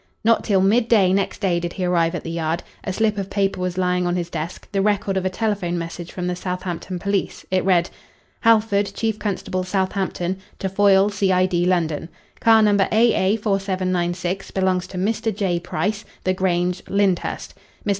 Not till midday next day did he arrive at the Yard. A slip of paper was lying on his desk the record of a telephone message from the Southampton police. It read "Halford, Chief Constable, Southampton, to Foyle, C.I.D., London. "Car No. A.A. 4796 belongs to Mr. J. Price, The Grange, Lyndhurst. Mr.